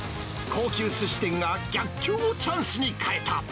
高級すし店が逆境をチャンスに変えた。